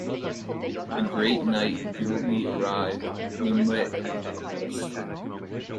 The great night duly arrived, moonlit and cloudless.